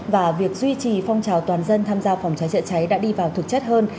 và việc duy trì phong trào toàn dân tham gia phòng cháy chữa cháy đã đi vào thực chất hơn